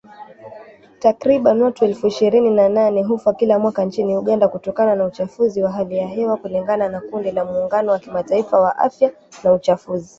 Takriban watu elfu ishirini na nane hufa kila mwaka nchini Uganda kutokana na uchafuzi wa hali ya hewa kulingana na kundi la Muungano wa Kimataifa wa Afya na Uchafuzi